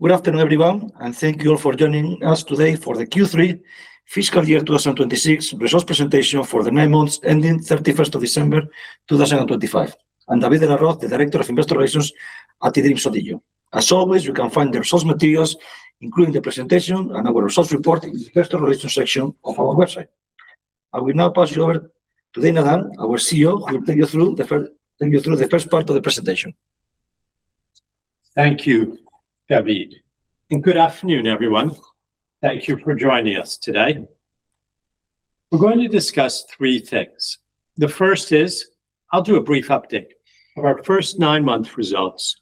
Good afternoon, everyone, thank you all for joining us today for the Q3 Fiscal Year 2026 Results Presentation for the Nine Months ending 31st of December, 2025. I'm David de la Roz, the Director of Investor Relations at eDreams ODIGEO. As always, you can find the resource materials, including the presentation and our results report, in the Investor Relations section of our website. I will now pass you over to Dana Dunne, our CEO, who will take you through the first part of the presentation. Thank you, David de la Roz. Good afternoon, everyone. Thank you for joining us today. We're going to discuss three things. The first is, I'll do a brief update of our first nine-month results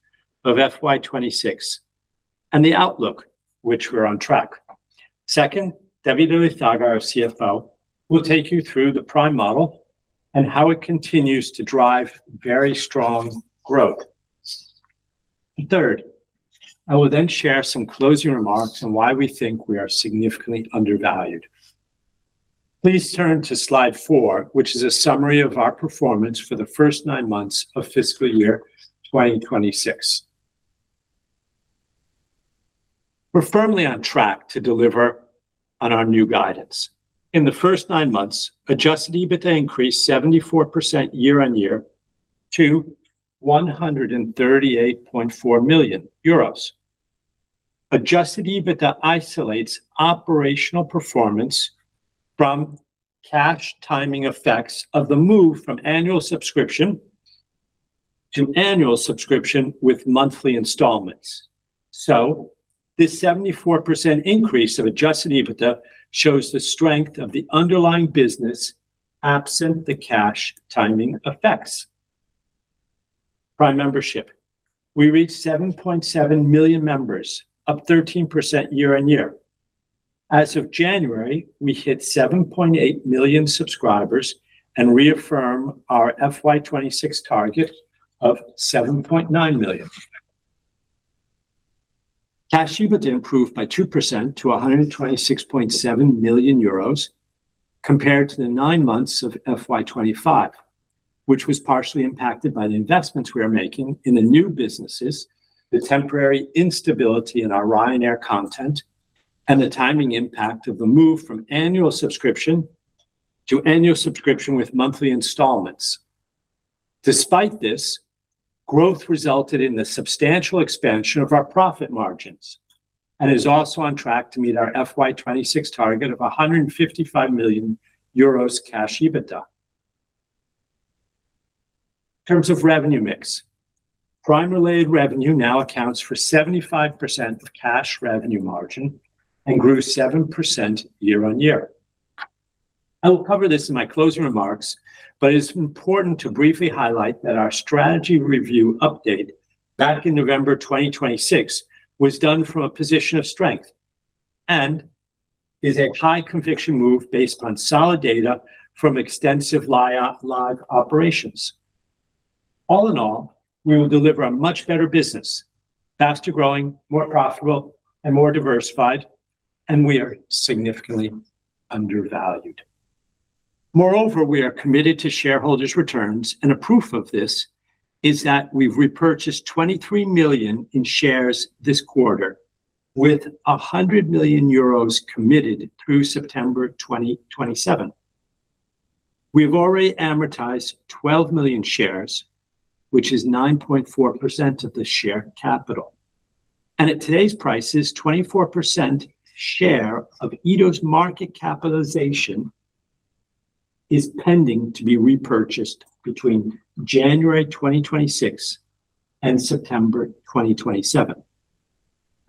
of FY 2026 and the outlook, which we're on track. Second, David Elizaga, our CFO, will take you through the Prime model and how it continues to drive very strong growth. Third, I will then share some closing remarks on why we think we are significantly undervalued. Please turn to Slide 4, which is a summary of our performance for the first nine months of fiscal year 2026. We're firmly on track to deliver on our new guidance. In the first nine Adjusted EBITDA increased 74% year-on-year to EUR 138.4 million. Adjusted EBITDA isolates operational performance from cash timing effects of the move from annual subscription to annual subscription with monthly installments. This 74% increase Adjusted EBITDA shows the strength of the underlying business, absent the cash timing effects. Prime membership, we reached 7.7 million members, up 13% year-on-year. As of January, we hit 7.8 million subscribers and reaffirm our FY 2026 target of 7.9 million. Cash EBITDA improved by 2% to 126.7 million euros compared to the nine months of FY 2025, which was partially impacted by the investments we are making in the new businesses, the temporary instability in our Ryanair content, and the timing impact of the move from annual subscription to annual subscription with monthly installments. Despite this, growth resulted in the substantial expansion of our profit margins and is also on track to meet our FY 2026 target of 155 million euros cash EBITDA. In terms of revenue mix, Prime-related revenue now accounts for 75% of cash revenue margin and grew 7% year-on-year. It's important to briefly highlight that our strategy review update back in November 2026 was done from a position of strength and is a high-conviction move based on solid data from extensive live operations. All in all, we will deliver a much better business, faster-growing, more profitable, and more diversified, and we are significantly undervalued. Moreover, we are committed to shareholders' returns. A proof of this is that we've repurchased 23 million in shares this quarter with 100 million euros committed through September 2027. We've already amortized 12 million shares, which is 9.4% of the share capital. At today's prices, 24% share of Edo's market capitalization is pending to be repurchased between January 2026 and September 2027.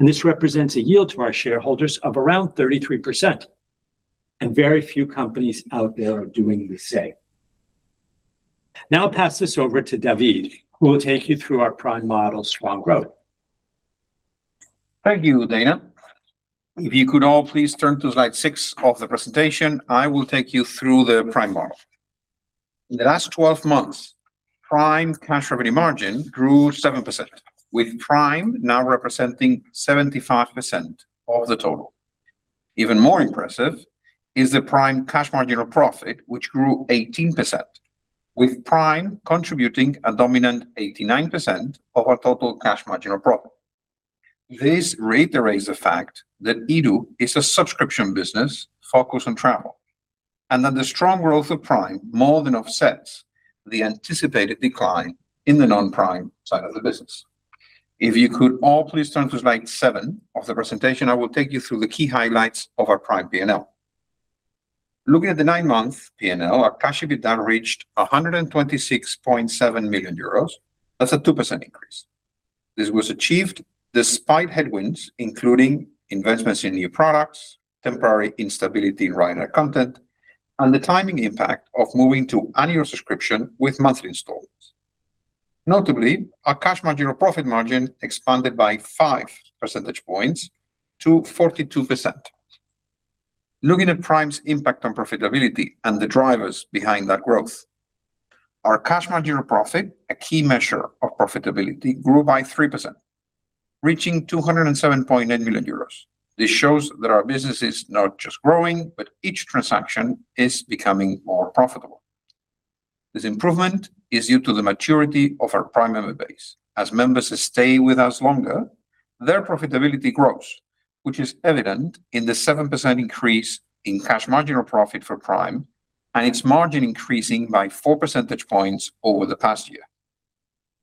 This represents a yield to our shareholders of around 33%, and very few companies out there are doing the same. Now I'll pass this over to David, who will take you through our Prime model strong growth. Thank you, Dana. If you could all please turn to Slide 6 of the presentation, I will take you through the Prime model. In the last 12 months, Prime cash revenue margin grew 7%, with Prime now representing 75% of the total. Even more impressive is the Prime cash marginal profit, which grew 18%, with Prime contributing a dominant 89% of our total cash marginal profit. This reiterates the fact that Edo is a subscription business focused on travel, and that the strong growth of Prime more than offsets the anticipated decline in the non-Prime side of the business. If you could all please turn to Slide 7 of the presentation, I will take you through the key highlights of our Prime P&L. Looking at the nine-month P&L, our cash EBITDA reached 126.7 million euros. That's a 2% increase. This was achieved despite headwinds, including investments in new products, temporary instability in Ryanair content, and the timing impact of moving to annual subscription with monthly installments. Notably, our cash marginal profit margin expanded by 5 percentage points to 42%. Looking at Prime's impact on profitability and the drivers behind that growth, our cash marginal profit, a key measure of profitability, grew by 3%, reaching 207.8 million euros. This shows that our business is not just growing, but each transaction is becoming more profitable.... This improvement is due to the maturity of our Prime member base. As members stay with us longer, their profitability grows, which is evident in the 7% increase in cash marginal profit for Prime, and its margin increasing by 4 percentage points over the past year.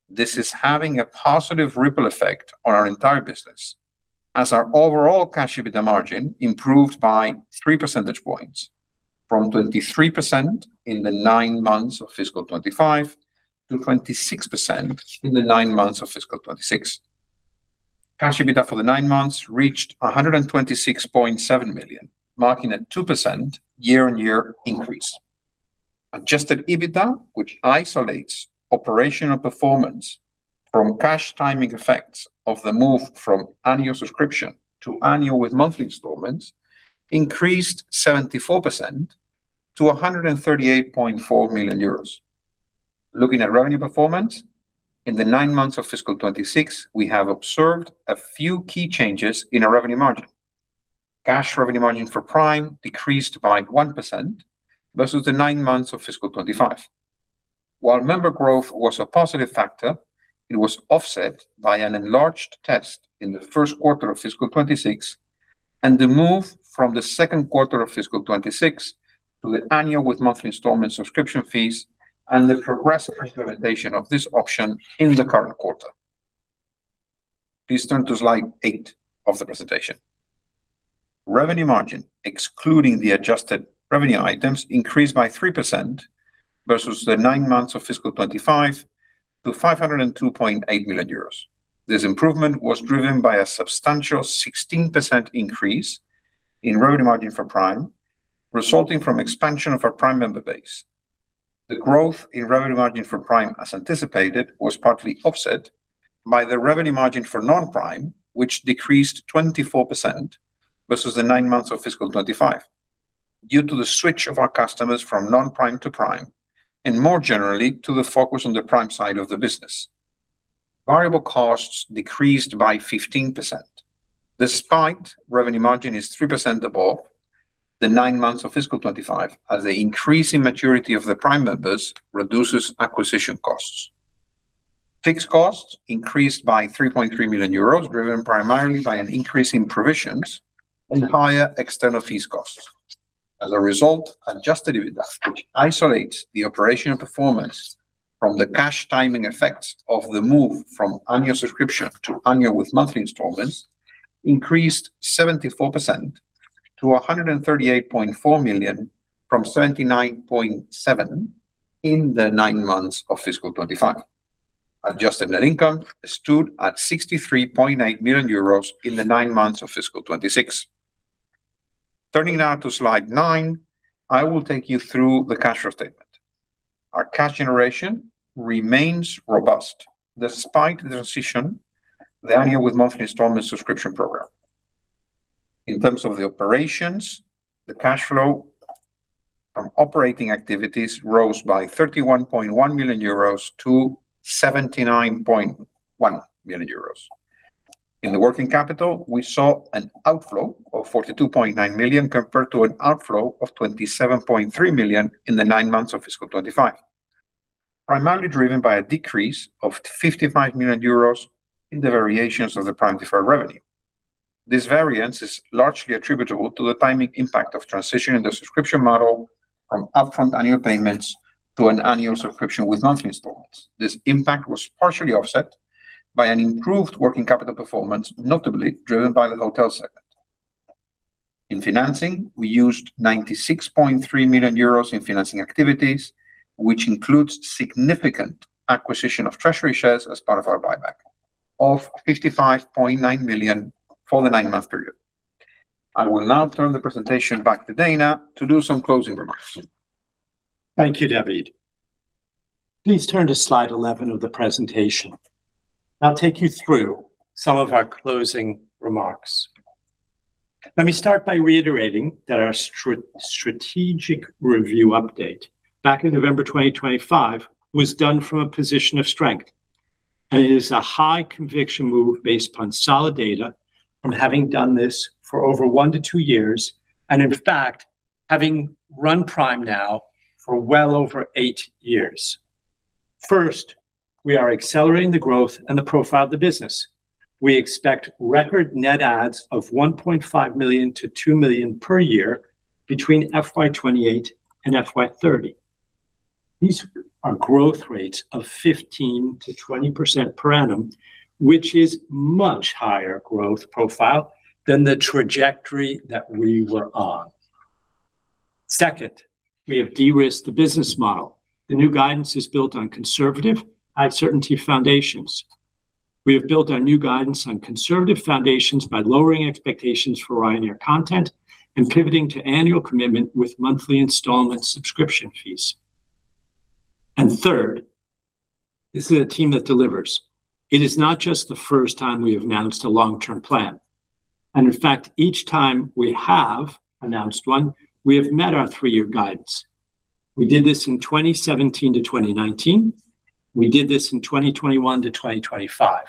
This is having a positive ripple effect on our entire business, as our overall cash EBITDA margin improved by 3 percentage points, from 23% in the nine months of fiscal 2025 to 26% in the nine months of fiscal 2026. Cash EBITDA for the nine months reached 126.7 million, marking a 2% year-on-year Adjusted EBITDA, which isolates operational performance from cash timing effects of the move from annual subscription to annual with monthly installments, increased 74% to 138.4 million euros. Looking at revenue performance, in the nine months of fiscal 2026, we have observed a few key changes in our revenue margin. Cash revenue margin for Prime decreased by 1% versus the nine months of fiscal 2025. While member growth was a positive factor, it was offset by an enlarged test in the first quarter of fiscal 26 and the move from the second quarter of fiscal 2026 to the annual with monthly installment subscription fees and the progressive implementation of this option in the current quarter. Please turn to Slide 8 of the presentation. Revenue margin, excluding the adjusted revenue items, increased by 3% versus the nine months of fiscal 25 to 502.8 million euros. This improvement was driven by a substantial 16% increase in revenue margin for Prime, resulting from expansion of our Prime member base. The growth in revenue margin for Prime, as anticipated, was partly offset by the revenue margin for non-Prime, which decreased 24% versus the nine months of fiscal 2025, due to the switch of our customers from non-Prime to Prime, and more generally, to the focus on the Prime side of the business. Variable costs decreased by 15%. Despite revenue margin is 3% above the nine months of fiscal 2025, as the increase in maturity of the Prime members reduces acquisition costs. Fixed costs increased by 3.3 million euros, driven primarily by an increase in provisions and higher external fees costs. Adjusted EBITDA, which isolates the operational performance from the cash timing effects of the move from annual subscription to annual with monthly installments, increased 74% to 138.4 million from 79.7 million in the nine months of fiscal 2025. Adjusted net income stood at 63.8 million euros in the nine months of fiscal 2026. Turning now to Slide 9, I will take you through the cash flow statement. Our cash generation remains robust despite the transition the annual with monthly installment subscription program. In terms of the operations, the cash flow from operating activities rose by 31.1 million euros to 79.1 million euros. In the working capital, we saw an outflow of 42.9 million, compared to an outflow of 27.3 million in the nine months of fiscal 2025, primarily driven by a decrease of 55 million euros in the variations of the Prime deferred revenue. This variance is largely attributable to the timing impact of transitioning the subscription model from upfront annual payments to an annual subscription with monthly installments. This impact was partially offset by an improved working capital performance, notably driven by the hotel segment. In financing, we used 96.3 million euros in financing activities, which includes significant acquisition of treasury shares as part of our buyback of 55.9 million for the nine-month period. I will now turn the presentation back to Dana to do some closing remarks. Thank you, David. Please turn to Slide 11 of the presentation. I'll take you through some of our closing remarks. Let me start by reiterating that our strategic review update back in November 2025, was done from a position of strength, and it is a high conviction move based upon solid data from having done this for over one to two years, and in fact, having run Prime now for well over eight years. First, we are accelerating the growth and the profile of the business. We expect record net adds of 1.5 million-2 million per year between FY 2028 and FY 2030. These are growth rates of 15%-20% per annum, which is much higher growth profile than the trajectory that we were on. Second, we have de-risked the business model. The new guidance is built on conservative uncertainty foundations. Third, this is a team that delivers. It is not just the first time we have announced a long-term plan, and in fact, each time we have announced one, we have met our three-year guidance. We did this in 2017 to 2019. We did this in 2021 to 2025.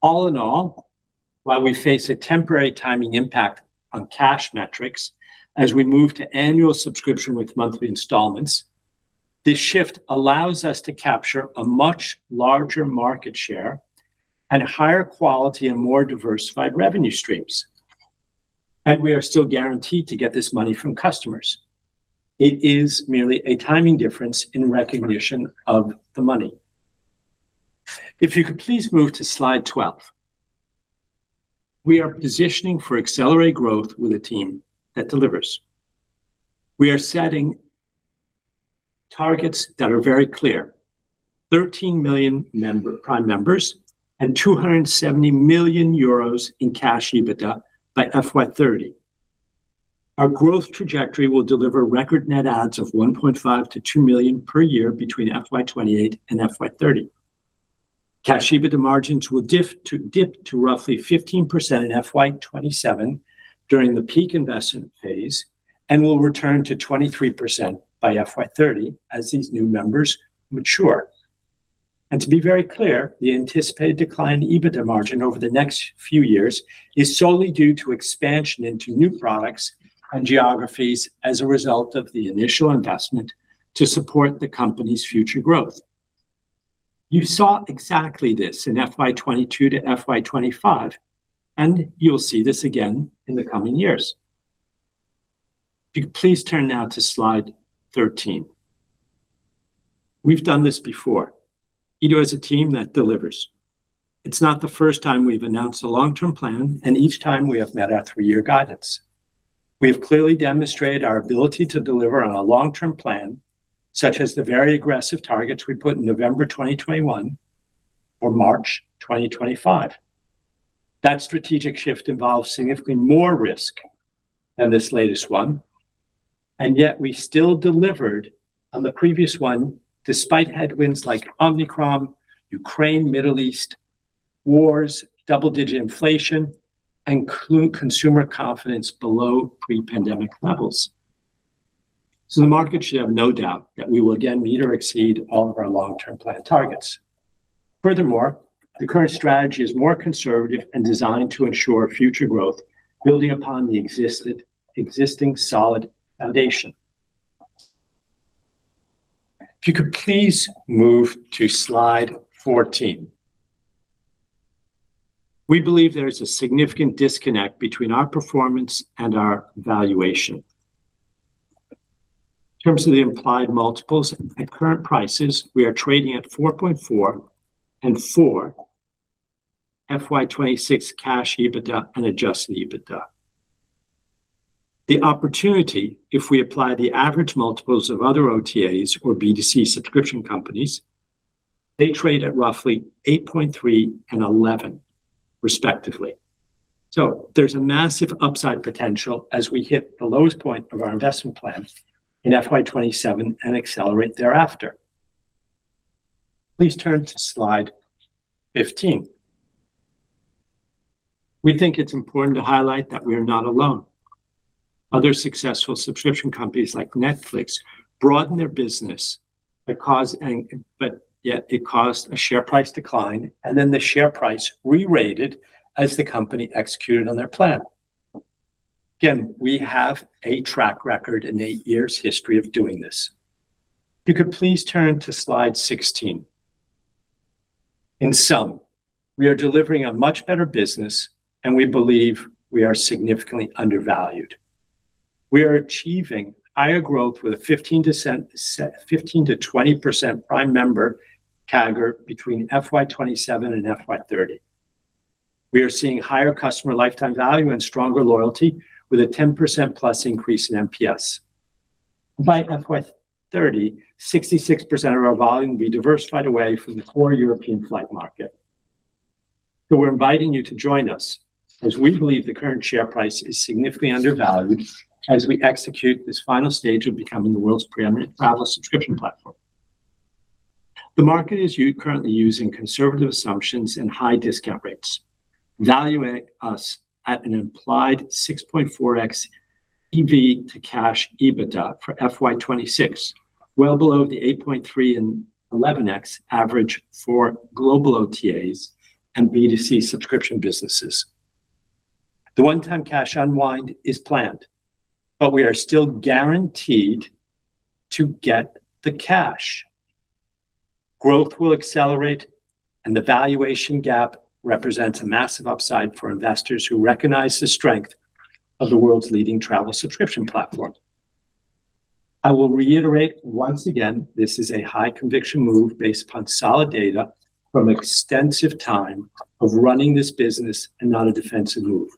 All in all, while we face a temporary timing impact on cash metrics as we move to annual subscription with monthly installments, this shift allows us to capture a much larger market share and higher quality and more diversified revenue streams. We are still guaranteed to get this money from customers. It is merely a timing difference in recognition of the money. If you could please move to Slide 12. We are positioning for accelerated growth with a team that delivers. We are setting targets that are very clear: 13 million member, Prime members, and 270 million euros in cash EBITDA by FY 2030. Our growth trajectory will deliver record net adds of 1.5 million-2 million per year between FY 2028 and FY 2030. Cash EBITDA margins will dip to roughly 15% in FY 2027 during the peak investment phase, and will return to 23% by FY 2030 as these new members mature. To be very clear, the anticipated decline in EBITDA margin over the next few years is solely due to expansion into new products and geographies as a result of the initial investment to support the company's future growth. You saw exactly this in FY 2022 to FY 2025. You will see this again in the coming years. If you could please turn now to Slide 13. We've done this before. Edo is a team that delivers. It's not the first time we've announced a long-term plan. Each time we have met our three-year guidance. We have clearly demonstrated our ability to deliver on a long-term plan, such as the very aggressive targets we put in November 2021 or March 2025. That strategic shift involved significantly more risk than this latest one. Yet we still delivered on the previous one, despite headwinds like Omicron, Ukraine, Middle East wars, double-digit inflation, consumer confidence below pre-pandemic levels. The market should have no doubt that we will again meet or exceed all of our long-term plan targets. Furthermore, the current strategy is more conservative and designed to ensure future growth, building upon the existing solid foundation. If you could please move to Slide 14. We believe there is a significant disconnect between our performance and our valuation. In terms of the implied multiples, at current prices, we are trading at 4.4x and 4x FY 2026 cash EBITDA Adjusted EBITDA. the opportunity, if we apply the average multiples of other OTAs or B2C subscription companies, they trade at roughly 8.3x and 11x, respectively. There's a massive upside potential as we hit the lowest point of our investment plan in FY 2027 and accelerate thereafter. Please turn to Slide 15. We think it's important to highlight that we are not alone. Other successful subscription companies like Netflix broadened their business, but caused. Yet it caused a share price decline. Then the share price re-rated as the company executed on their plan. Again, we have a track record and eight years history of doing this. If you could please turn to Slide 16. In sum, we are delivering a much better business, and we believe we are significantly undervalued. We are achieving higher growth with a 15%-20% Prime member CAGR between FY 2027 and FY 2030. We are seeing higher customer lifetime value and stronger loyalty with a 10%+ increase in NPS. By FY 2030, 66% of our volume will be diversified away from the core European flight market. We're inviting you to join us, as we believe the current share price is significantly undervalued as we execute this final stage of becoming the world's preeminent travel subscription platform. The market is currently using conservative assumptions and high discount rates, valuing us at an implied 6.4x EV to cash EBITDA for FY 2026, well below the 8.3 and 11x average for global OTAs and B2C subscription businesses. The one-time cash unwind is planned, but we are still guaranteed to get the cash. Growth will accelerate, and the valuation gap represents a massive upside for investors who recognize the strength of the world's leading travel subscription platform. I will reiterate once again, this is a high conviction move based upon solid data from extensive time of running this business and not a defensive move.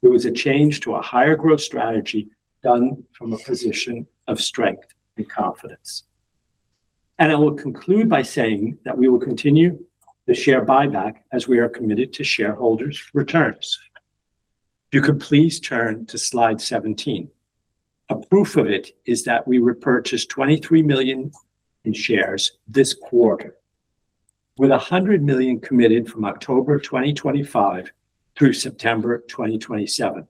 It was a change to a higher growth strategy done from a position of strength and confidence. I will conclude by saying that we will continue the share buyback as we are committed to shareholders' returns. If you could please turn to Slide 17. A proof of it is that we repurchased 23 million in shares this quarter, with 100 million committed from October 2025 through September 2027.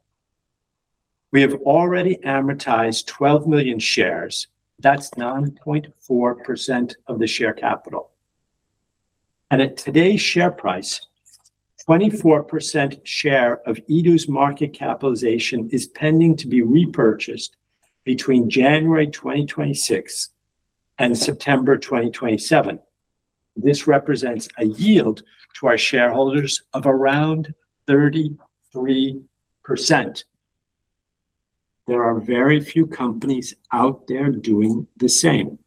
We have already amortized 12 million shares. That's 9.4% of the share capital. At today's share price, 24% share of EDU's market capitalization is pending to be repurchased between January 2026 and September 2027. This represents a yield to our shareholders of around 33%. There are very few companies out there doing the same.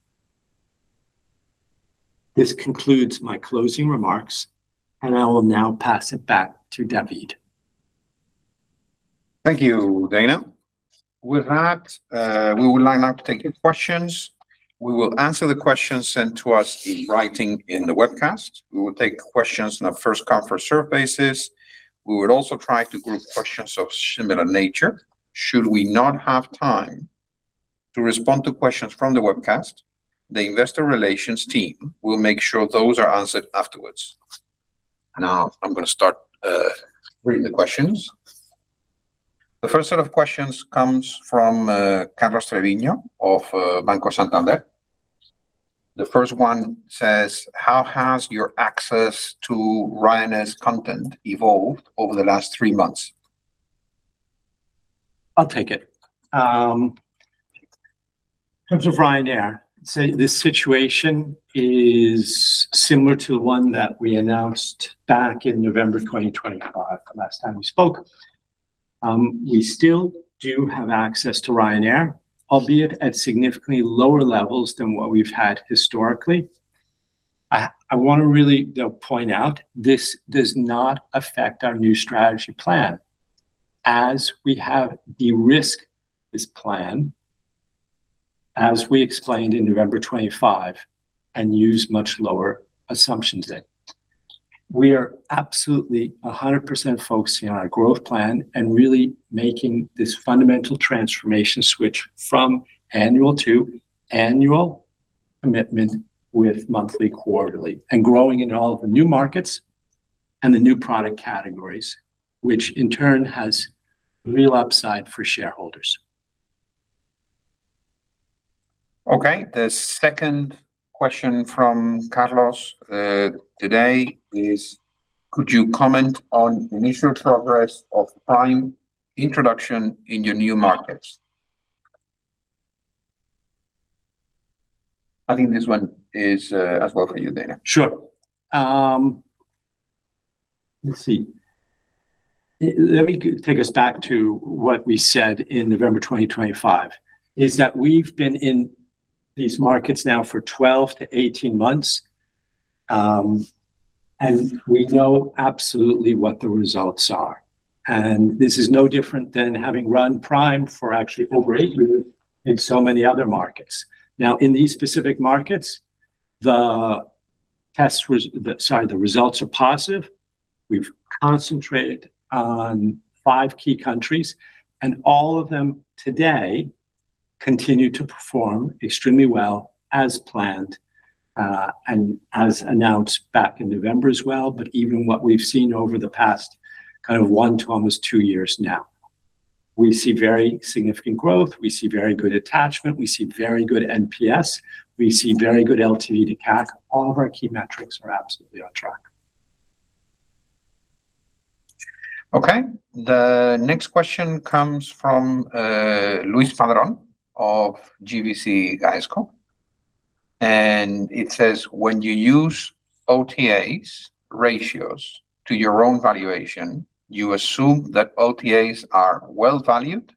This concludes my closing remarks, and I will now pass it back to David. Thank you, Dana. With that, we would like now to take your questions. We will answer the questions sent to us in writing in the webcast. We will take questions on a first-come, first-serve basis. We will also try to group questions of similar nature. Should we not have time to respond to questions from the webcast, the investor relations team will make sure those are answered afterwards. I'm gonna start reading the questions. The first set of questions comes from Carlos Treviño of Banco Santander. The first one says: How has your access to Ryanair's content evolved over the last three months? I'll take it. In terms of Ryanair, this situation is similar to the one that we announced back in November 2025, the last time we spoke. We still do have access to Ryanair, albeit at significantly lower levels than what we've had historically. I want to really, though, point out, this does not affect our new strategy plan, as we have de-risked this plan, as we explained in November 25, and use much lower assumptions then. We are absolutely 100% focusing on our growth plan and really making this fundamental transformation switch from annual to annual commitment with monthly, quarterly, and growing in all of the new markets and the new product categories, which in turn has real upside for shareholders. Okay, the second question from Carlos, today is: Could you comment on initial progress of Prime introduction in your new markets? I think this one is, as well for you, Dana. Sure. Let's see. Let me take us back to what we said in November 2025, is that we've been in these markets now for 12-18 months, and we know absolutely what the results are. This is no different than having run Prime for actually over a year in so many other markets. Now, in these specific markets, the results are positive. We've concentrated on five key countries, and all of them today continue to perform extremely well as planned, and as announced back in November as well. Even what we've seen over the past, kind of one to almost two years now, we see very significant growth. We see very good attachment. We see very good NPS. We see very good LTV to CAC. All of our key metrics are absolutely on track. Okay. The next question comes from Luis Padrón of GVC Gaesco, and it says, "When you use OTAs ratios to your own valuation, you assume that OTAs are well-valued,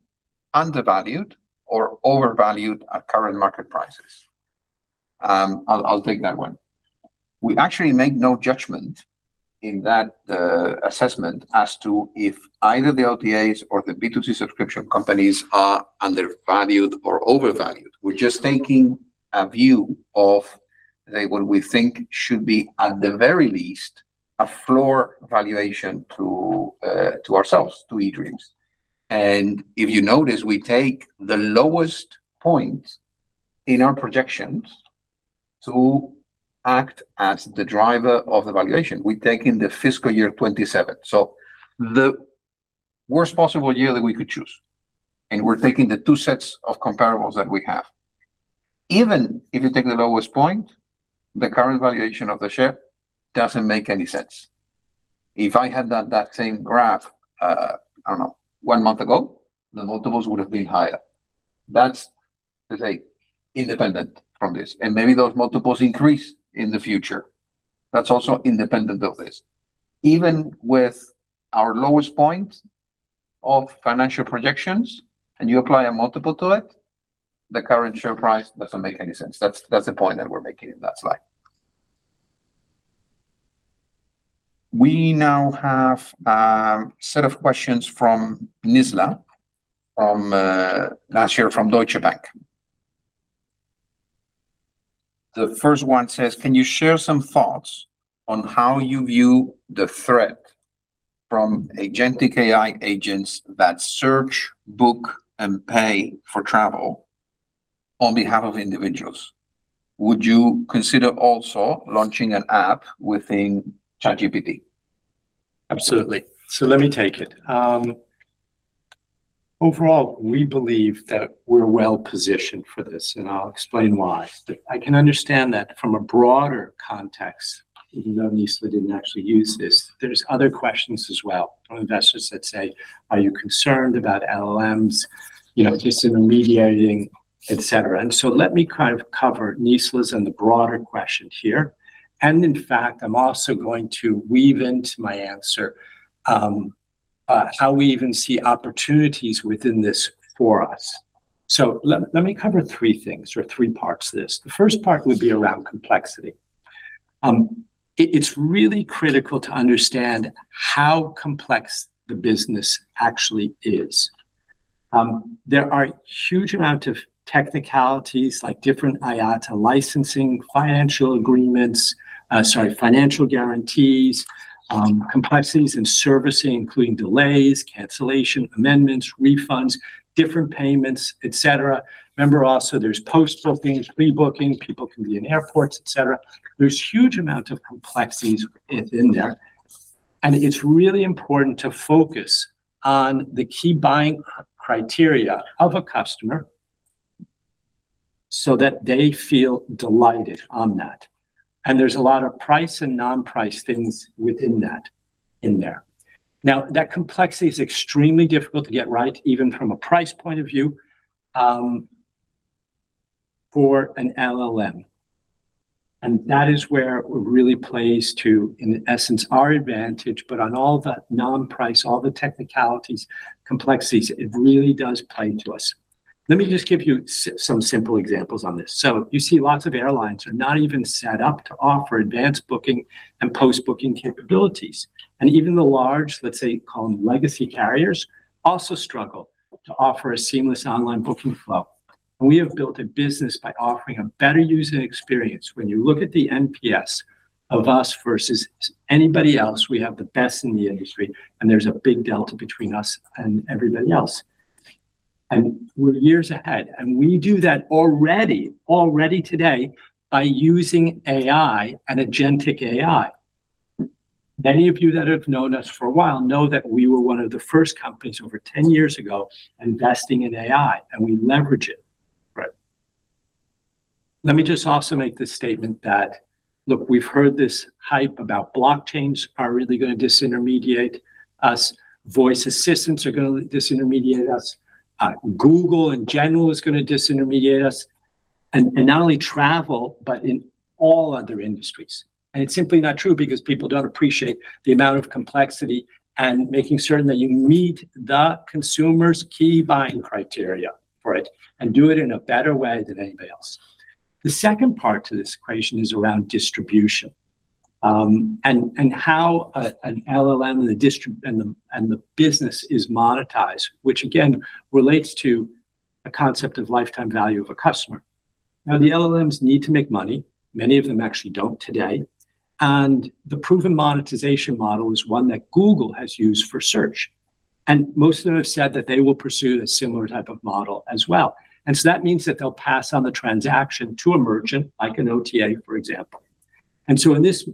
undervalued, or overvalued at current market prices?" I'll take that one. We actually make no judgment in that assessment as to if either the OTAs or the B2C subscription companies are undervalued or overvalued. We're just taking a view of what we think should be, at the very least, a floor valuation to ourselves, to eDreams. If you notice, we take the lowest point in our projections to act as the driver of the valuation. We take in the fiscal year 2027, so the worst possible year that we could choose, and we're taking the two sets of comparables that we have. Even if you take the lowest point, the current valuation of the share doesn't make any sense. If I had that same graph, I don't know, one month ago, the multiples would have been higher. That's, let's say, independent from this, and maybe those multiples increase in the future. That's also independent of this. Even with our lowest point of financial projections, and you apply a multiple to it, the current share price doesn't make any sense. That's the point that we're making in that slide. We now have a set of questions from Nizla Naizer from Deutsche Bank. The first one says: Can you share some thoughts on how you view the threat from agentic A.I. agents that search, book, and pay for travel?... on behalf of individuals, would you consider also launching an app within ChatGPT? Absolutely. Let me take it. Overall, we believe that we're well-positioned for this, and I'll explain why. I can understand that from a broader context, even though Nisla didn't actually use this, there's other questions as well from investors that say: Are you concerned about LLMs, you know, disintermediating, et cetera? Let me kind of cover Nisla's and the broader question here. In fact, I'm also going to weave into my answer how we even see opportunities within this for us. Let me cover three things or three parts to this. The first part would be around complexity. It's really critical to understand how complex the business actually is. There are huge amount of technicalities, like different IATA licensing, financial agreements, sorry, financial guarantees, complexities in servicing, including delays, cancellation, amendments, refunds, different payments, et cetera. Remember, also, there's post-bookings, rebooking, people can be in airports, et cetera. There's huge amount of complexities in there, and it's really important to focus on the key buying criteria of a customer, so that they feel delighted on that. There's a lot of price and non-price things within that, in there. That complexity is extremely difficult to get right, even from a price point of view, for an LLM, and that is where it really plays to, in essence, our advantage. On all the non-price, all the technicalities, complexities, it really does play to us. Let me just give you some simple examples on this. You see, lots of airlines are not even set up to offer advanced booking and post-booking capabilities. Even the large, let's say, call them legacy carriers, also struggle to offer a seamless online booking flow. We have built a business by offering a better user experience. When you look at the NPS of us versus anybody else, we have the best in the industry, and there's a big delta between us and everybody else, and we're years ahead. We do that already today by using AI and agentic AI. Many of you that have known us for a while know that we were one of the first companies over 10 years ago investing in AI, and we leverage it, right? Let me just also make this statement that, look, we've heard this hype about blockchains are really going to disintermediate us, voice assistants are going to disintermediate us, Google in general is going to disintermediate us, and not only travel, but in all other industries. It's simply not true because people don't appreciate the amount of complexity and making certain that you meet the consumer's key buying criteria for it, and do it in a better way than anybody else. The second part to this equation is around distribution, and how an LLM and the, and the business is monetized, which again, relates to a concept of lifetime value of a customer. Now, the LLMs need to make money. Many of them actually don't today, and the proven monetization model is one that Google has used for search, and most of them have said that they will pursue a similar type of model as well. That means that they'll pass on the transaction to a merchant, like an OTA, for example. In this,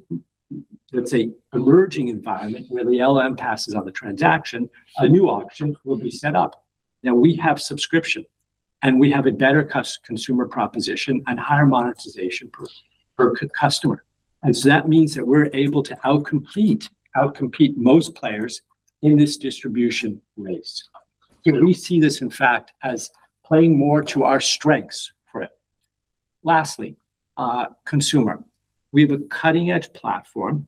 let's say, emerging environment, where the LLM passes on the transaction, a new auction will be set up. Now, we have subscription, and we have a better consumer proposition and higher monetization per customer. That means that we're able to out-compete most players in this distribution race. We see this, in fact, as playing more to our strengths for it. Lastly, consumer. We have a cutting-edge platform,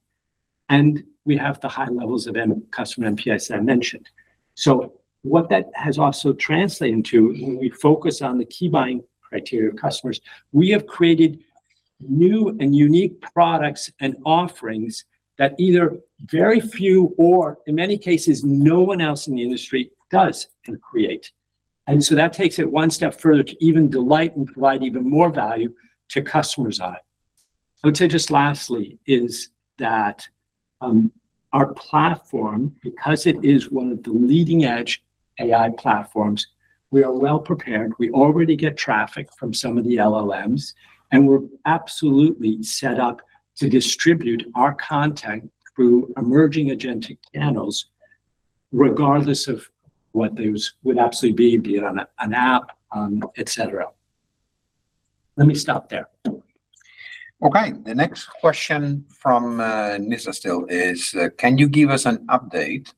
and we have the high levels of customer NPS that I mentioned. What that has also translated into, when we focus on the key buying criteria of customers, we have created new and unique products and offerings that either very few or in many cases, no one else in the industry does and create. That takes it one step further to even delight and provide even more value to customers' eye. I would say, just lastly, is that our platform, because it is one of the leading-edge AI platforms, we are well-prepared. We already get traffic from some of the LLMs, and we're absolutely set up to distribute our content through emerging agentic channels, regardless of what those would absolutely be it on an app, et cetera. Let me stop there. Okay. The next question from Nisa still, is, can you give us an update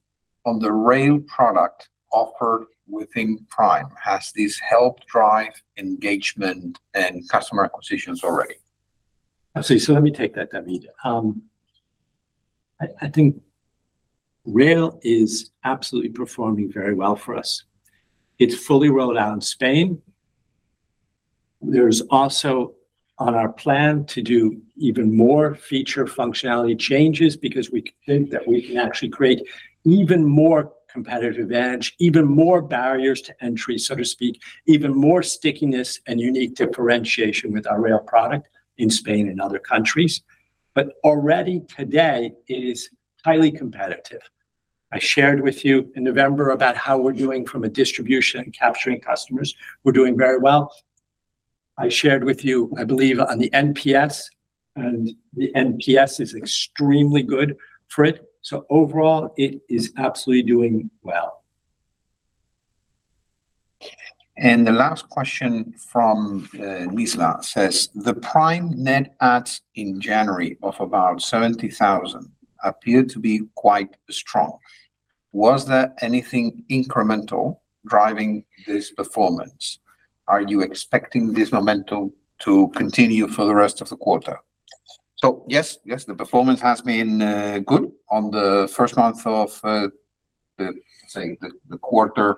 on the rail product offered within Prime? Has this helped drive engagement and customer acquisitions already? Absolutely. Let me take that, David. I think rail is absolutely performing very well for us. It's fully rolled out in Spain. There's also on our plan to do even more feature functionality changes because we think that we can actually create even more competitive edge, even more barriers to entry, so to speak, even more stickiness and unique differentiation with our rail product in Spain and other countries. Already today, it is highly competitive. I shared with you in November about how we're doing from a distribution and capturing customers. We're doing very well. I shared with you, I believe, on the NPS, the NPS is extremely good for it. Overall, it is absolutely doing well. The last question from Nizla Naizer says, "The Prime net adds in January of about 70,000 appeared to be quite strong. Was there anything incremental driving this performance? Are you expecting this momentum to continue for the rest of the quarter?" Yes, the performance has been good on the first month of the quarter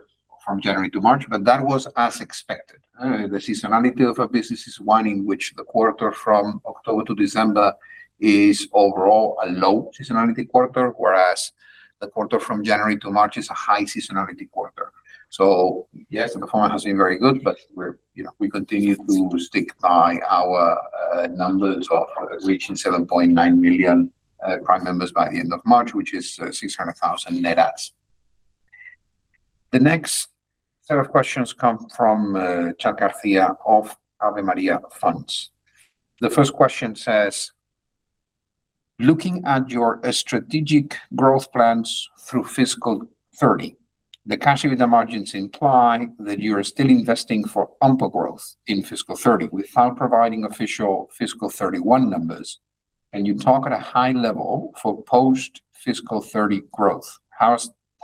from January to March, but that was as expected. The seasonality of our business is one in which the quarter from October to December is overall a low seasonality quarter, whereas the quarter from January to March is a high seasonality quarter. Yes, the performance has been very good, but we're, you know, we continue to stick by our numbers of reaching 7.9 million Prime members by the end of March, which is 600,000 net adds. The next set of questions come from Chuck Garcia of Ave Maria Funds. The first question says, "Looking at your strategic growth plans through fiscal 2030, the cash EBITDA margins imply that you are still investing for ample growth in fiscal 2030, without providing official fiscal 2031 numbers, and you talk at a high level for post-fiscal 2030 growth.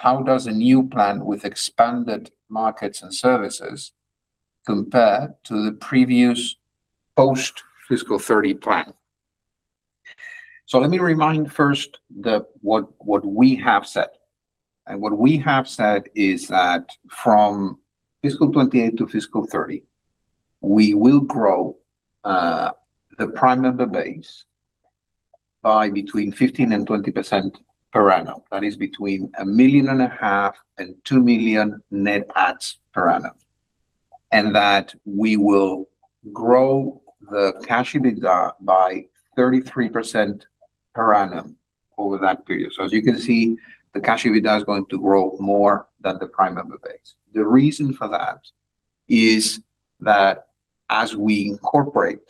How does a new plan with expanded markets and services compare to the previous post-fiscal 2030 plan? Let me remind first that what we have said is that from fiscal 2028 to fiscal 2030, we will grow the Prime member base by between 15%-20% per annum. That is between 1.5 million and 2 million net adds per annum, and that we will grow the cash EBITDA by 33% per annum over that period. As you can see, the cash EBITDA is going to grow more than the Prime member base. The reason for that is that as we incorporate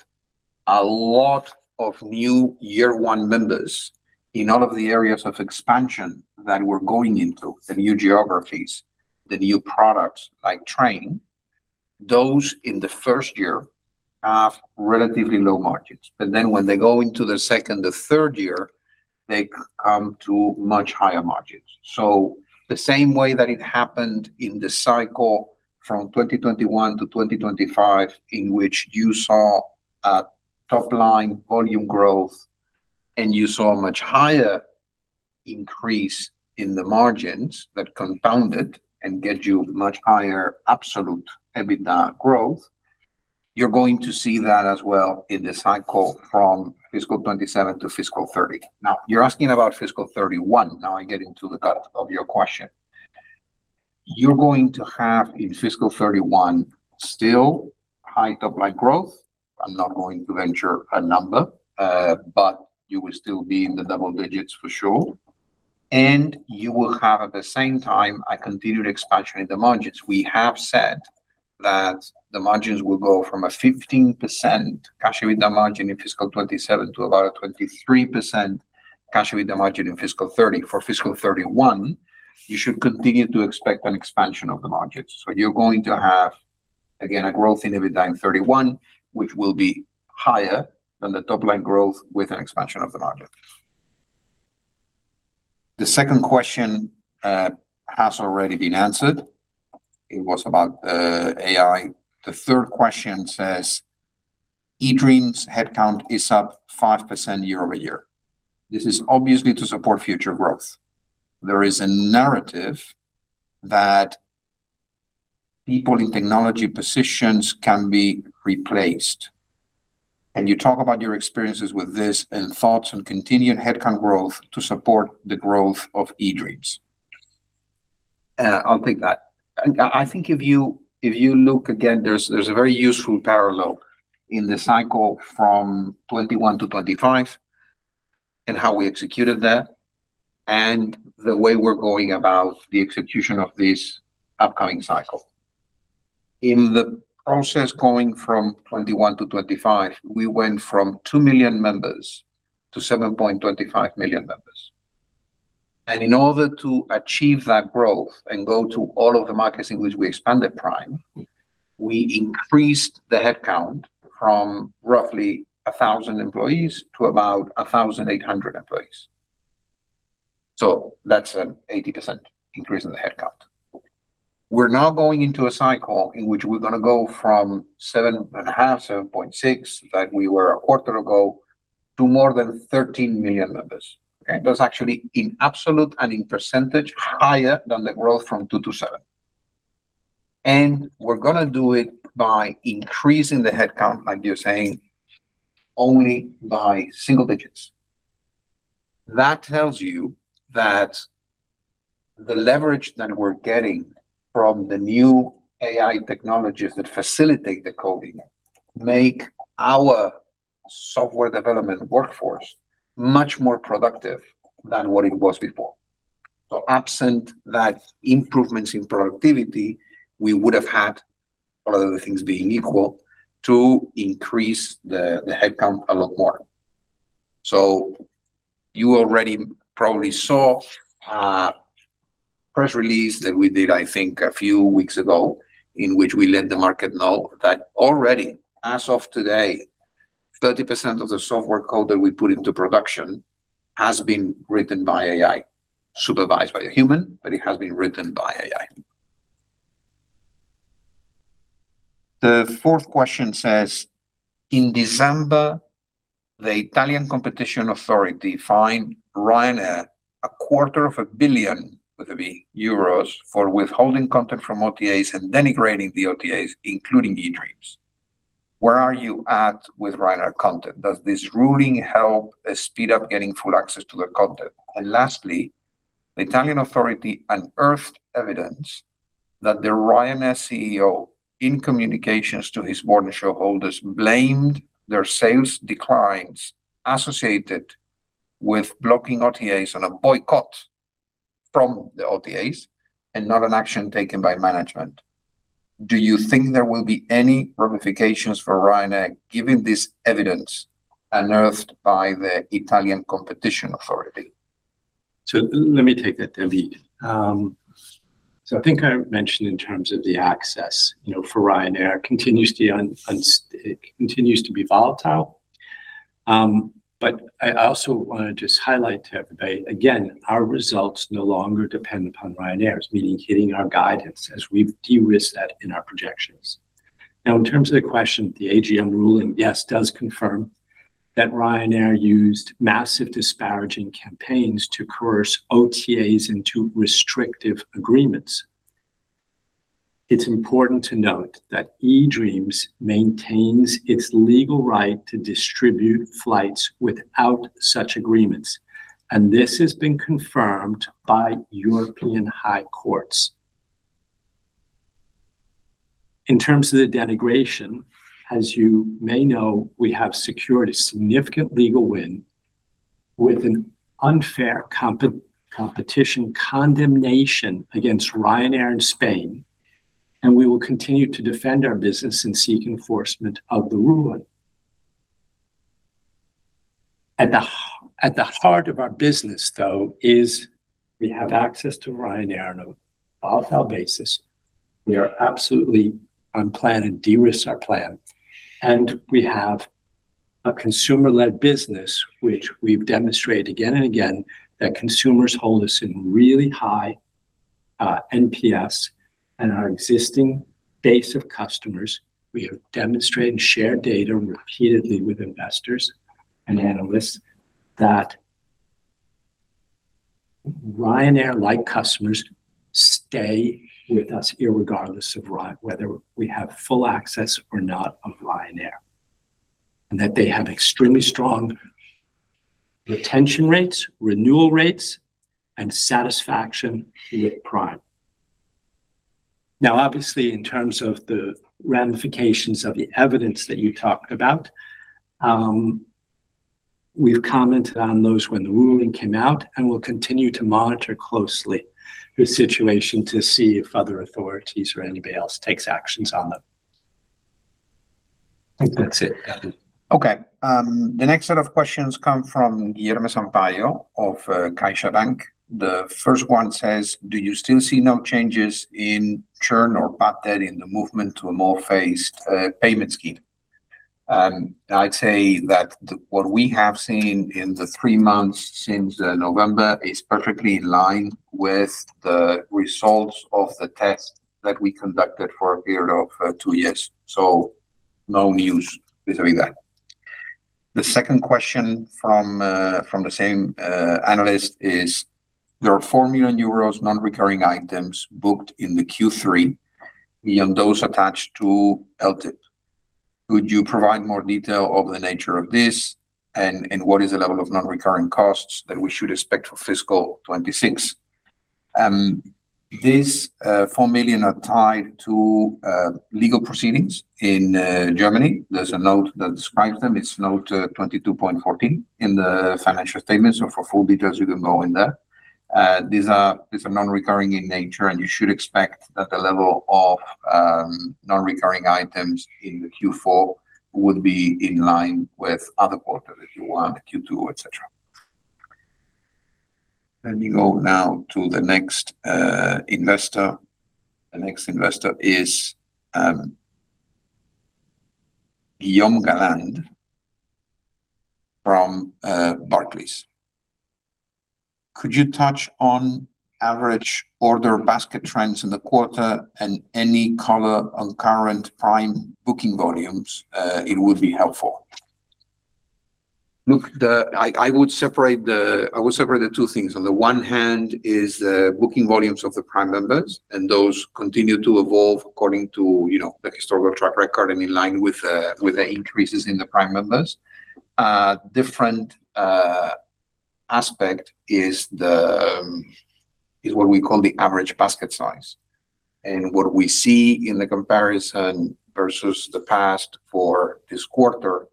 a lot of new year one members in all of the areas of expansion that we're going into, the new geographies, the new products, like training, those in the first year have relatively low margins. When they go into the second or third year, they come to much higher margins. The same way that it happened in the cycle from 2021 to 2025, in which you saw a top-line volume growth, and you saw a much higher increase in the margins that compounded and get you much higher absolute EBITDA growth, you're going to see that as well in the cycle from fiscal 2027 to fiscal 2030. You're asking about fiscal 2031. I get into the heart of your question. You're going to have, in fiscal 2031, still high top-line growth. I'm not going to venture a number, but you will still be in the double digits for sure, and you will have, at the same time, a continued expansion in the margins. We have said that the margins will go from a 15% cash EBITDA margin in fiscal 2027 to about a 23% cash EBITDA margin in fiscal 2030. For fiscal 2031, you should continue to expect an expansion of the margins. You're going to have, again, a growth in EBITDA in 2031, which will be higher than the top-line growth with an expansion of the margin. The second question has already been answered. It was about AI. The third question says, "eDreams' headcount is up 5% year-over-year. This is obviously to support future growth. There is a narrative that people in technology positions can be replaced. Can you talk about your experiences with this and thoughts on continuing headcount growth to support the growth of eDreams? I'll take that. I think if you look again, there's a very useful parallel in the cycle from 2021-2025 and how we executed that, and the way we're going about the execution of this upcoming cycle. In the process going from 2021-2025, we went from 2 million members to 7.25 million members. In order to achieve that growth and go to all of the markets in which we expanded Prime, we increased the headcount from roughly 1,000 employees to about 1,800 employees. That's an 80% increase in the headcount. We're now going into a cycle in which we're gonna go from 7.5, 7.6, like we were a quarter ago, to more than 13 million members. Okay? That's actually, in absolute and in percentage, higher than the growth from two to seven. We're gonna do it by increasing the headcount, like you're saying, only by single digits. That tells you that the leverage that we're getting from the new AI technologies that facilitate the coding make our software development workforce much more productive than what it was before. Absent that improvements in productivity, we would have had, all other things being equal, to increase the headcount a lot more. You already probably saw a press release that we did, I think, a few weeks ago, in which we let the market know that already, as of today, 30% of the software code that we put into production has been written by AI, supervised by a human, but it has been written by AI. The fourth question says: In December, the Italian Competition Authority fined Ryanair a quarter of a billion, with a B, euros for withholding content from OTAs and denigrating the OTAs, including eDreams. Where are you at with Ryanair content? Does this ruling help speed up getting full access to the content? Lastly, the Italian authority unearthed evidence that the Ryanair CEO, in communications to his board and shareholders, blamed their sales declines associated with blocking OTAs on a boycott from the OTAs and not an action taken by management. Do you think there will be any ramifications for Ryanair, given this evidence unearthed by the Italian Competition Authority? Let me take that, David. I think I mentioned in terms of the access, you know, for Ryanair continues to be on. It continues to be volatile. I also want to just highlight to everybody, again, our results no longer depend upon Ryanair's, meaning hitting our guidance as we've de-risked that in our projections. In terms of the question, the AGM ruling, yes, does confirm that Ryanair used massive disparaging campaigns to coerce OTAs into restrictive agreements. It's important to note that eDreams maintains its legal right to distribute flights without such agreements, and this has been confirmed by European high courts. In terms of the denigration, as you may know, we have secured a significant legal win with an unfair competition condemnation against Ryanair in Spain, and we will continue to defend our business and seek enforcement of the ruling. At the heart of our business, though, is we have access to Ryanair on a wholesale basis. We are absolutely on plan and de-risked our plan, and we have a consumer-led business, which we've demonstrated again and again, that consumers hold us in really high NPS. Our existing base of customers, we have demonstrated and shared data repeatedly with investors and analysts that Ryanair-like customers stay with us irregardless of whether we have full access or not of Ryanair, and that they have extremely strong retention rates, renewal rates, and satisfaction with Prime. Now, obviously, in terms of the ramifications of the evidence that you talked about, we've commented on those when the ruling came out, and we'll continue to monitor closely the situation to see if other authorities or anybody else takes actions on them. I think that's it, David. The next set of questions come from Guillermo Sampaio of CaixaBank. The first one says: Do you still see no changes in churn or bad debt in the movement to a more phased payment scheme? I'd say that what we have seen in the three months since November is perfectly in line with the results of the test that we conducted for a period of two years. No news vis-a-vis that. The second question from the same analyst is: There are 4 million euros non-recurring items booked in the Q3, beyond those attached to LTIP. Could you provide more detail of the nature of this, and what is the level of non-recurring costs that we should expect for fiscal 2026? This 4 million are tied to legal proceedings in Germany. There's a note that describes them. It's note 22.14 in the financial statements. For full details, you can go in there. These are non-recurring in nature, and you should expect that the level of non-recurring items in the Q4 would be in line with other quarters, if you want, Q2, et cetera. Let me go now to the next investor. The next investor is Guillaume Garand from Barclays. Could you touch on average order basket trends in the quarter and any color on current Prime booking volumes? It would be helpful. Look, I would separate the two things. On the one hand is the booking volumes of the Prime members, those continue to evolve according to, you know, the historical track record and in line with the increases in the Prime members. Different aspect is what we call the average basket size. What we see in the comparison versus the past for this quarter,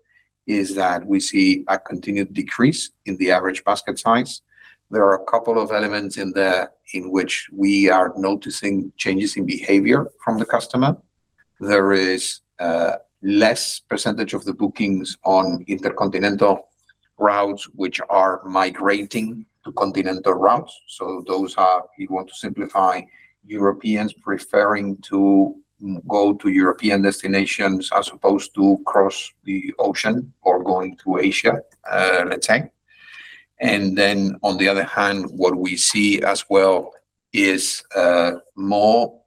is that we see a continued decrease in the average basket size. There are a couple of elements in there in which we are noticing changes in behavior from the customer. There is less percentage of the bookings on intercontinental routes, which are migrating to continental routes. Those are, if you want to simplify, Europeans preferring to go to European destinations as opposed to cross the ocean or going to Asia, let's say. On the other hand, what we see as well is, more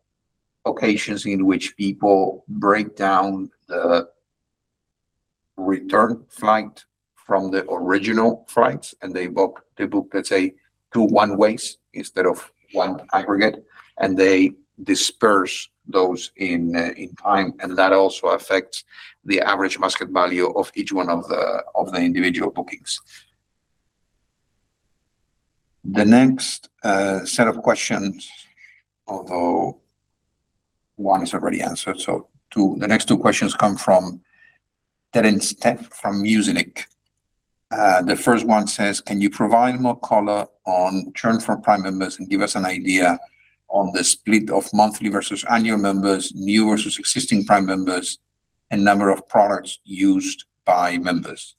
occasions in which people break down the return flight from the original flights, and they book, let's say, two one-ways instead of one aggregate, and they disperse those in time, and that also affects the average basket value of each one of the, of the individual bookings. The next two questions come from Terence Teh from Muzinich. The first one says: "Can you provide more color on churn for Prime members and give us an idea on the split of monthly versus annual members, new versus existing Prime members, and number of products used by members?"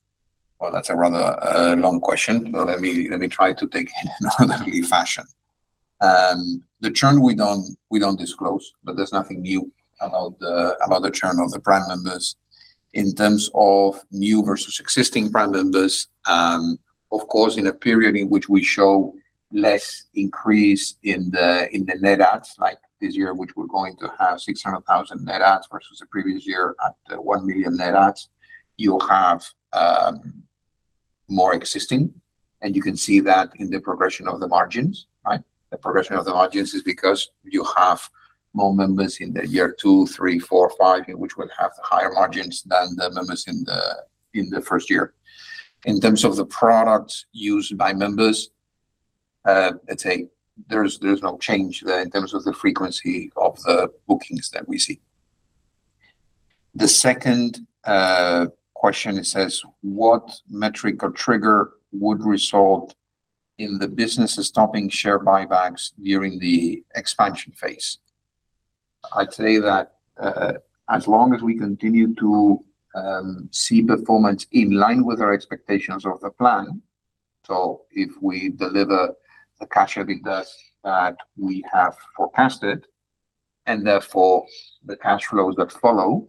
Well, that's a rather long question, but let me try to take it in an orderly fashion. The churn, we don't disclose, but there's nothing new about the churn of the Prime members. In terms of new versus existing Prime members, of course, in a period in which we show less increase in the net adds, like this year, which we're going to have 600,000 net adds versus the previous year at 1 million net adds, you have more existing, and you can see that in the progression of the margins, right? The progression of the margins is because you have more members in the year two, three, four, five, which will have higher margins than the members in the first year. In terms of the products used by members, I'd say there's no change there in terms of the frequency of the bookings that we see. The second question, it says: "What metric or trigger would result in the business stopping share buybacks during the expansion phase?" I'd say that as long as we continue to see performance in line with our expectations of the plan, if we deliver the cash EBITDA that we have forecasted, and therefore the cash flows that follow,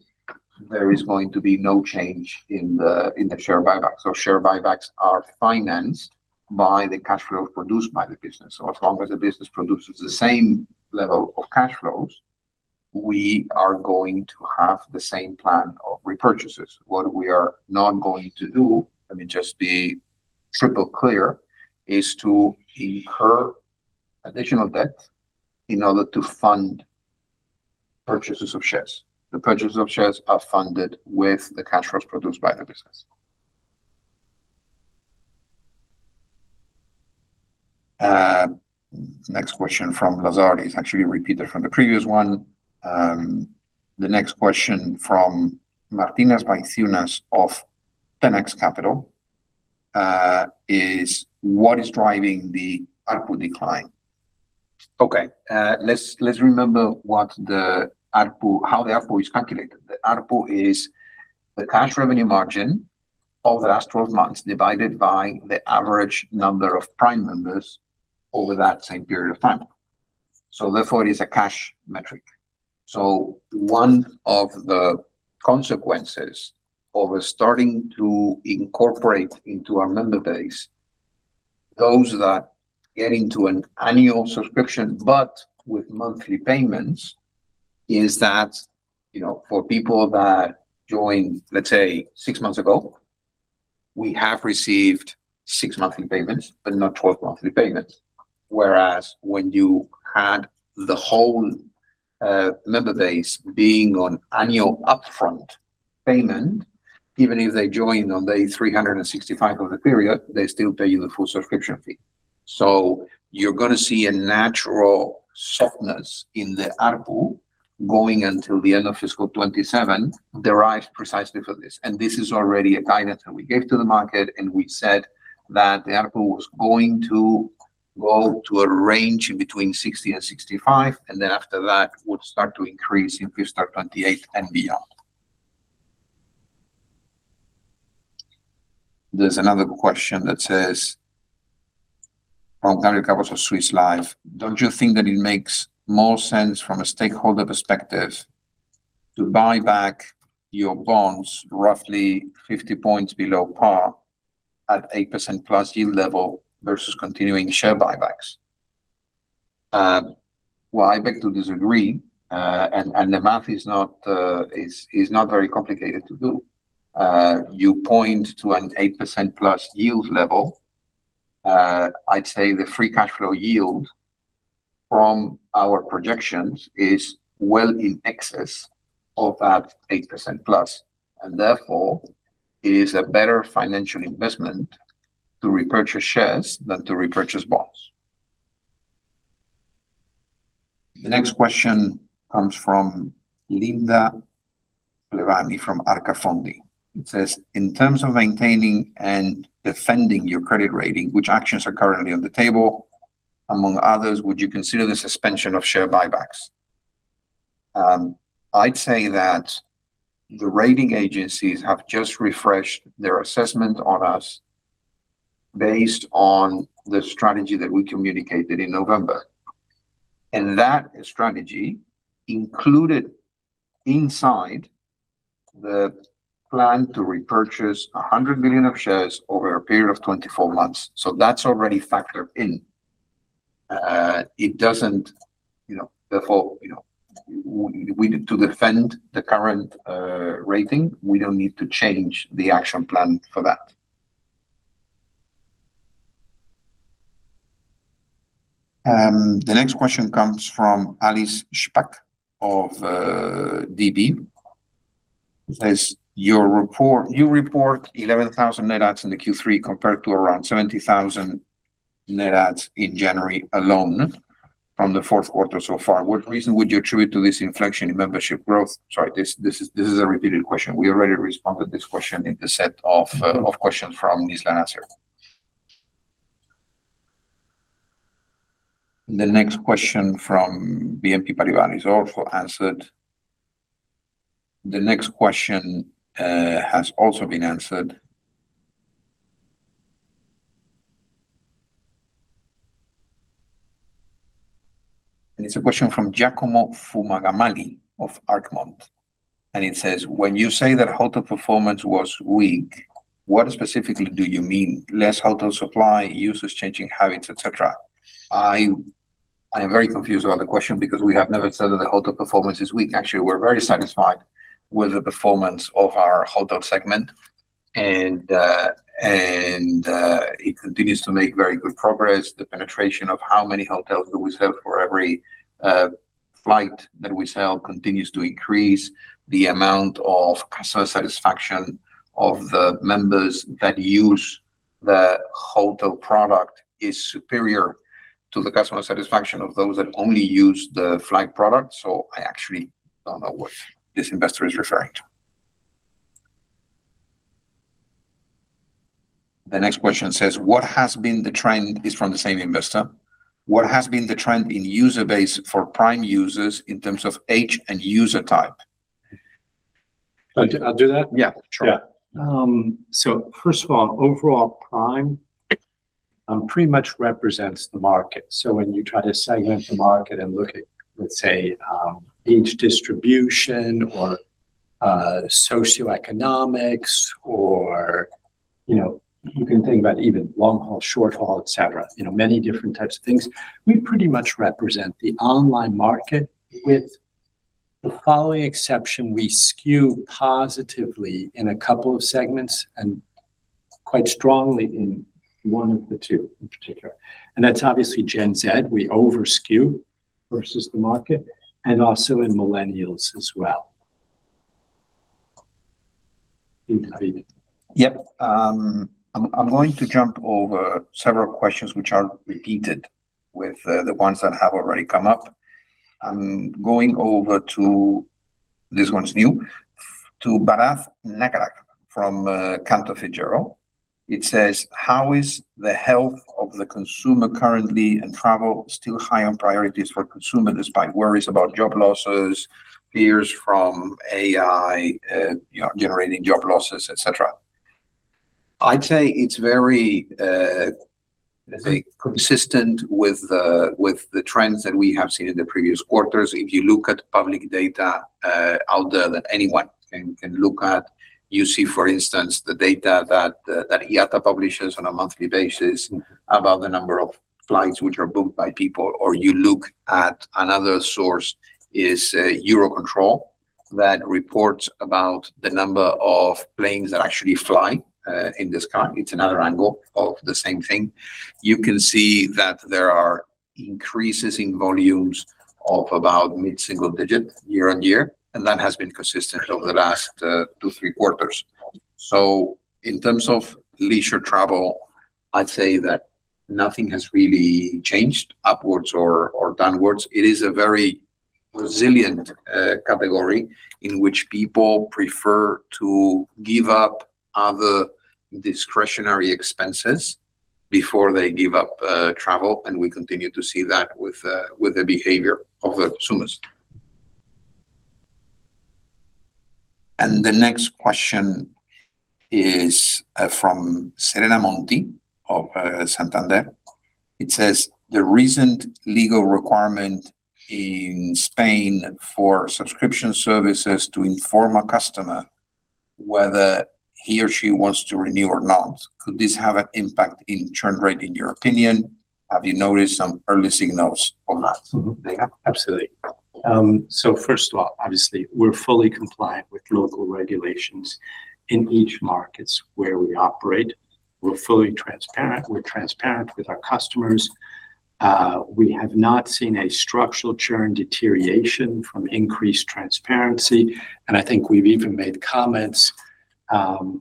there is going to be no change in the share buybacks. Share buybacks are financed by the cash flow produced by the business. As long as the business produces the same level of cash flows, we are going to have the same plan of repurchases. What we are not going to do, let me just be triple clear, is to incur additional debt in order to fund purchases of shares. The purchases of shares are funded with the cash flows produced by the business. Next question from Lazard, it's actually repeated from the previous one. The next question from Martinez Mancillas of Tenax Capital is: "What is driving the ARPU decline?" Let's remember what the ARPU, how the ARPU is calculated. The ARPU is the cash revenue margin of the last 12 months, divided by the average number of Prime members over that same period of time. Therefore, it is a cash metric. One of the consequences of starting to incorporate into our member base those that get into an annual subscription, but with monthly payments, is that, you know, for people that joined, let's say, six months ago, we have received six monthly payments but not 12 monthly payments. Whereas when you had the whole member base being on annual upfront payment, even if they join on day 365 of the period, they still pay you the full subscription fee. You're gonna see a natural softness in the ARPU going until the end of fiscal 2027, derived precisely for this. This is already a guidance that we gave to the market, and we said that the ARPU was going to go to a range in between 60 and 65, and then after that, would start to increase in fiscal 2028 and beyond. There's another question that says, from Daniel Cabra of Swiss Life: "Don't you think that it makes more sense from a stakeholder perspective to buy back your bonds roughly 50 points below par at 8%+ yield level versus continuing share buybacks?" Well, I beg to disagree, and the math is not very complicated to do. You point to an 8%+ yield level. I'd say the free cash flow yield from our projections is well in excess of that 8%+, and therefore it is a better financial investment to repurchase shares than to repurchase bonds. The next question comes from Linda Plebani from ARCA Fondi. It says, "In terms of maintaining and defending your credit rating, which actions are currently on the table? Among others, would you consider the suspension of share buybacks?" I'd say that the rating agencies have just refreshed their assessment on us based on the strategy that we communicated in November, and that strategy included inside the plan to repurchase 100 million of shares over a period of 24 months. That's already factored in. It doesn't, you know, therefore, you know, we need to defend the current rating. We don't need to change the action plan for that. The next question comes from Alice Shpak of DB. It says, "Your report, you report 11,000 net adds in the Q3, compared to around 70,000 net adds in January alone from the fourth quarter so far. What reason would you attribute to this inflection in membership growth?" Sorry, this is a repeated question. We already responded to this question in the set of questions from Nielsen answer. The next question from BNP Paribas is also answered. The next question has also been answered. It's a question from Giacomo Fumagalli of Arcmont, and it says: When you say that hotel performance was weak, what specifically do you mean? Less hotel supply, users changing habits, et cetera. I am very confused about the question, because we have never said that the hotel performance is weak. Actually, we're very satisfied with the performance of our hotel segment, and it continues to make very good progress. The penetration of how many hotels do we sell for every flight that we sell continues to increase. The amount of customer satisfaction of the members that use the hotel product is superior to the customer satisfaction of those that only use the flight product. I actually don't know what this investor is referring to. The next question says, "What has been the trend..." It's from the same investor. "What has been the trend in user base for Prime users in terms of age and user type? I'll do that? Yeah, sure. Yeah. First of all, overall, Prime, pretty much represents the market. When you try to segment the market and look at, let's say, age distribution or, socioeconomics or, you know, you can think about even long haul, short haul, et cetera, you know, many different types of things, we pretty much represent the online market, with the following exception: we skew positively in a couple of segments and quite strongly in one of the two in particular. That's obviously Gen Z. We over-skew versus the market, and also in millennials as well. You can read it. Yep. I'm going to jump over several questions which are repeated with the ones that have already come up. I'm going over to. This one's new, to Bharath Nagaraj from Cantor Fitzgerald. It says, "How is the health of the consumer currently, and travel still high on priorities for consumers, despite worries about job losses, fears from AI, you know, generating job losses, et cetera?" I'd say it's very consistent with the trends that we have seen in the previous quarters. If you look at public data out there, that anyone can look at, you see, for instance, the data that IATA publishes on a monthly basis about the number of flights which are booked by people. You look at another source is Eurocontrol, that reports about the number of planes that actually fly in the sky. It's another angle of the same thing. You can see that there are increases in volumes of about mid-single digit year-on-year, and that has been consistent over the last two, three quarters. In terms of leisure travel, I'd say that nothing has really changed upwards or downwards. It is a very resilient category in which people prefer to give up other discretionary expenses before they give up travel, and we continue to see that with the behavior of the consumers. The next question is from Serena Monti of Santander. It says, "The recent legal requirement in Spain for subscription services to inform a customer whether he or she wants to renew or not, could this have an impact in churn rate, in your opinion? Have you noticed some early signals on that? Yeah, absolutely. First of all, obviously, we're fully compliant with local regulations in each markets where we operate. We're fully transparent. We're transparent with our customers. We have not seen a structural churn deterioration from increased transparency, and I think we've even made comments,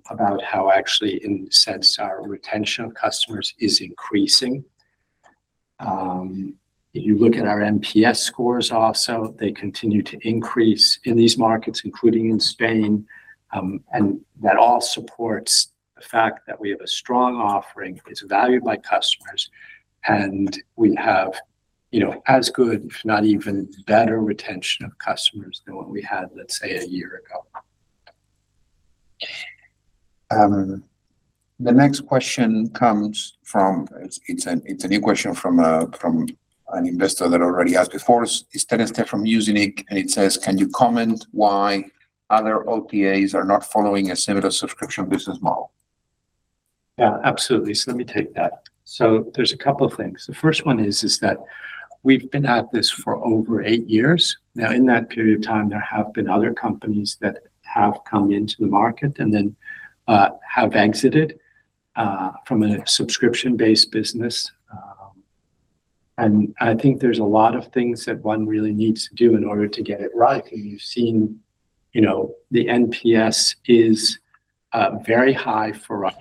about how actually, in a sense, our retention of customers is increasing. If you look at our NPS scores also, they continue to increase in these markets, including in Spain. That all supports the fact that we have a strong offering, it's valued by customers, and we have, you know, as good, if not even better, retention of customers than what we had, let's say, a year ago. The next question comes from a new question from an investor that already asked before. It's Terence Teh from Muzinich, and it says: "Can you comment why other OTAs are not following a similar subscription business model? Yeah, absolutely. Let me take that. There's a couple of things. The first one is that we've been at this for over eight years. In that period of time, there have been other companies that have come into the market and then, have exited from a subscription-based business. I think there's a lot of things that one really needs to do in order to get it right. You've seen, you know, the NPS is very high for us.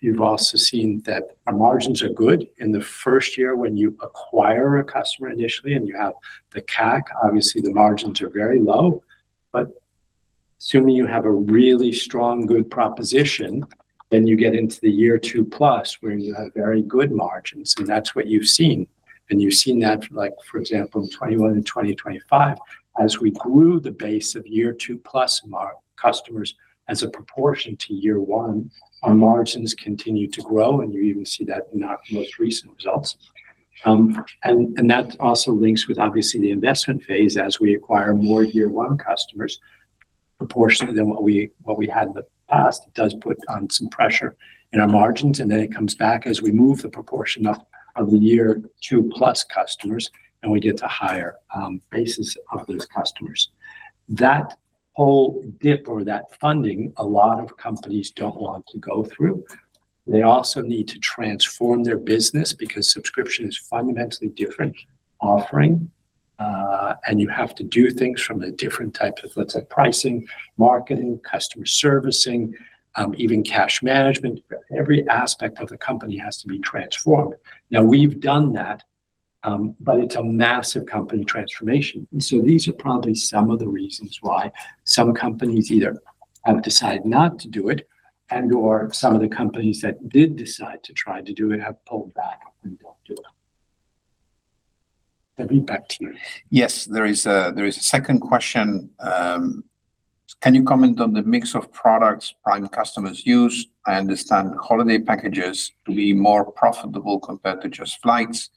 You've also seen that our margins are good. In the first year when you acquire a customer initially, and you have the CAC, obviously the margins are very low. Assuming you have a really strong good proposition, then you get into the year two plus, where you have very good margins, and that's what you've seen. You've seen that, like, for example, in 2021 and 20 to 2025, as we grew the base of year two plus customers, as a proportion to year one, our margins continued to grow, and you even see that in our most recent results. That also links with obviously the investment phase as we acquire more year one customers, proportionally than what we had in the past. It does put on some pressure in our margins, then it comes back as we move the proportion of the year two plus customers, and we get to higher bases of those customers. That whole dip or that funding, a lot of companies don't want to go through. They also need to transform their business because subscription is fundamentally different offering, and you have to do things from a different type of, let's say, pricing, marketing, customer servicing, even cash management. Every aspect of the company has to be transformed. Now, we've done that, but it's a massive company transformation. These are probably some of the reasons why some companies either have decided not to do it, and/or some of the companies that did decide to try to do it have pulled back and don't do it. Let me back to you. Yes, there is a, there is a second question. "Can you comment on the mix of products Prime customers use? I understand holiday packages to be more profitable compared to just flights.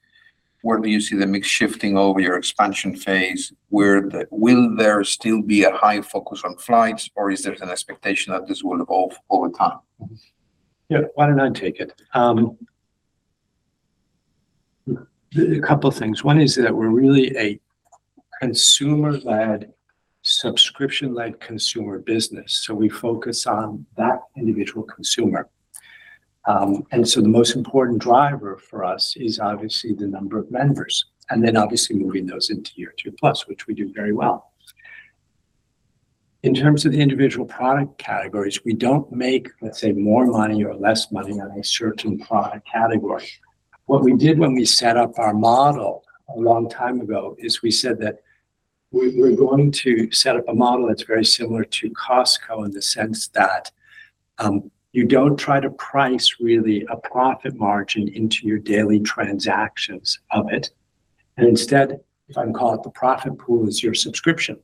Where do you see the mix shifting over your expansion phase? Will there still be a high focus on flights, or is there an expectation that this will evolve over time? Yeah, why don't I take it? A couple of things. One is that we're really a consumer-led, subscription-led consumer business. We focus on that individual consumer. The most important driver for us is obviously the number of members, and then obviously moving those into year two plus, which we do very well. In terms of the individual product categories, we don't make, let's say, more money or less money on a certain product category. What we did when we set up our model a long time ago is we said that we're going to set up a model that's very similar to Costco, in the sense that you don't try to price really a profit margin into your daily transactions of it. Instead, if I can call it, the profit pool is your subscription.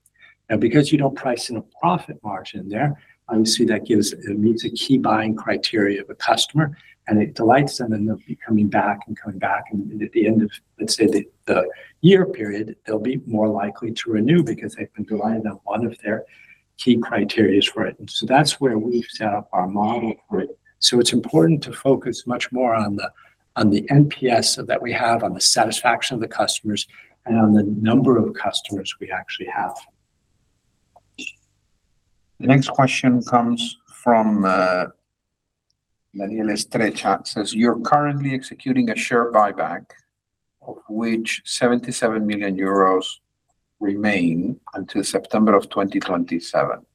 Because you don't price in a profit margin there, obviously, that gives, it meets a key buying criteria of a customer, and it delights them, and they'll be coming back and coming back. At the end of, let's say, the year period, they'll be more likely to renew because they've been relying on one of their key criterias for it. That's where we've set up our model for it. It's important to focus much more on the NPS that we have, on the satisfaction of the customers and on the number of customers we actually have. The next question comes from Daniel Estrecha. Says, "You're currently executing a share buyback, of which 77 million euros remain until September of 2027.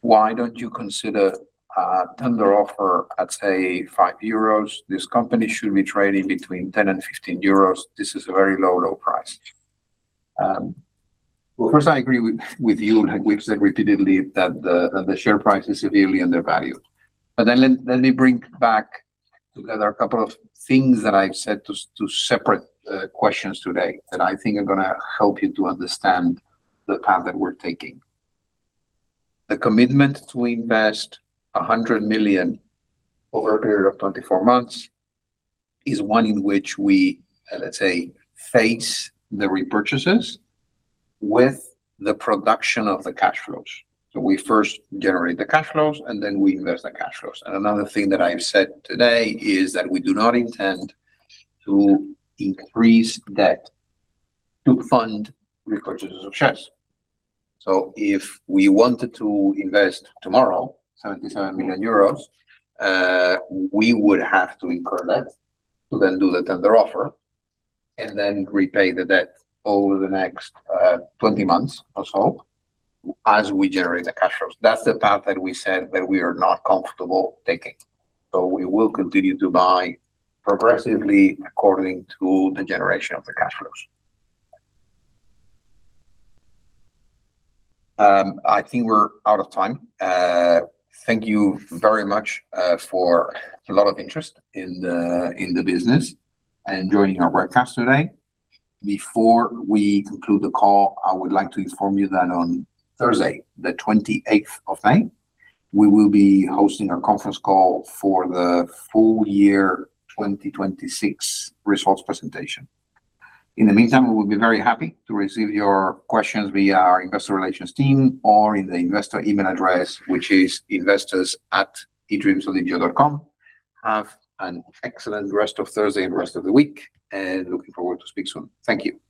Why don't you consider a tender offer at, say, 5 euros? This company should be trading between 10-15 euros. This is a very low price." First, I agree with you. Let me bring back together a couple of things that I've said to separate questions today that I think are gonna help you to understand the path that we're taking. The commitment to invest 100 million over a period of 24 months is one in which we, let's say, face the repurchases with the production of the cash flows. We first generate the cash flows, and then we invest the cash flows. Another thing that I've said today is that we do not intend to increase debt to fund repurchases of shares. If we wanted to invest tomorrow, 77 million euros, we would have to incur debt to then do the tender offer, and then repay the debt over the next 20 months or so as we generate the cash flows. That's the path that we said that we are not comfortable taking. We will continue to buy progressively according to the generation of the cash flows. I think we're out of time. Thank you very much for a lot of interest in the business and joining our webcast today. Before we conclude the call, I would like to inform you that on Thursday, the 28th of May, we will be hosting a conference call for the full year 2026 results presentation. In the meantime, we would be very happy to receive your questions via our investor relations team or in the investor email address, which is investors@edreamsodigeo.com. Have an excellent rest of Thursday and rest of the week, and looking forward to speak soon. Thank you.